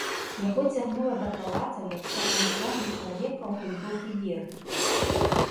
Яго цягнула да палацаў, як часам цягне чалавека ў глыбокі вір.